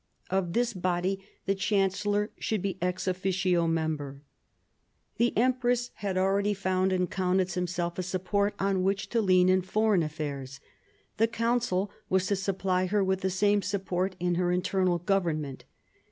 Of this body the chancellor should be ex officio member. The empress had already found in Kaunitz himself a support on which to lean in foreign affairs : the Council was to supply her with the same support in her internal government.